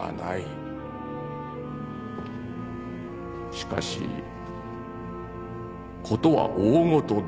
しかし事は大ごとだ。